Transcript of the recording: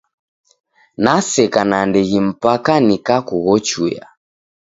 Naseka nandighi mpaka nikakughochuya.